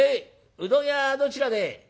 うどん屋どちらで？」。